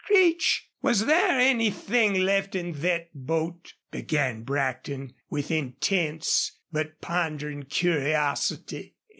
"Creech, was there anythin' left in thet boat?" began Brackton, with intense but pondering curiosity.